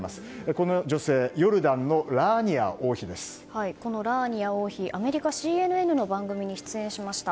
この女性、ヨルダンのこのラーニア王妃アメリカＣＮＮの番組に出演しました。